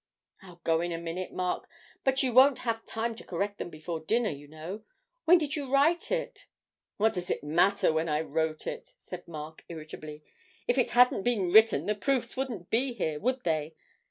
'I'll go in a minute, Mark; but you won't have time to correct them before dinner, you know. When did you write it?' 'What does it matter when I wrote it!' said Mark irritably; 'if it hadn't been written the proofs wouldn't be here, would they?